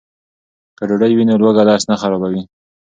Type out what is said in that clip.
که ډوډۍ وي نو لوږه درس نه خرابوي.